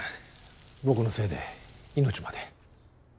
僕のせいで命まで。